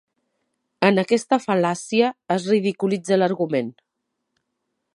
En aquesta fal·làcia es ridiculitza l'argument.